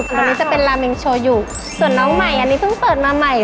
วันนี้จะเป็นลาเมงโชว์อยู่ส่วนน้องใหม่อันนี้เพิ่งเปิดมาใหม่